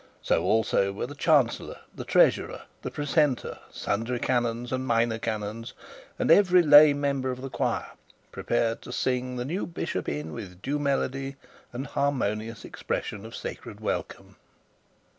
So also were the chancellor, the treasurer, the precentor, sundry canons and minor canons, and every lay member of the choir, prepared to sing the new bishop in with due melody and harmonious expression of sacred welcome.